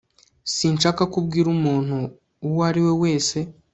sinshaka ko ubwira umuntu uwo ari we wese